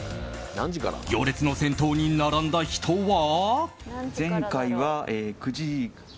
行列の先頭に並んだ人は。